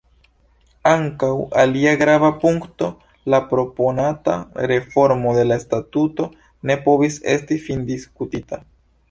Ankaŭ alia grava punkto, la proponata reformo de la statuto, ne povis esti findiskutita.